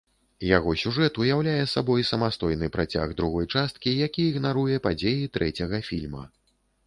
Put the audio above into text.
Яго сюжэт уяўляе сабой самастойны працяг другой часткі, які ігнаруе падзеі трэцяга фільма.